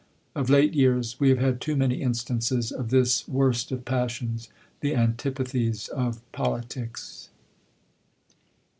Of late years, we have had too many instances of this worst of passions, the antipathies of politics!